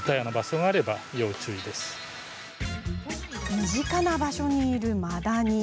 身近な場所にいるマダニ。